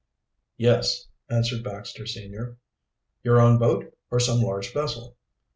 "Yes," answered Baxter senior. "Your own boat, or some large vessel?"